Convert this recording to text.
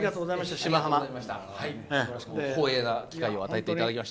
光栄な機会を与えていただきました。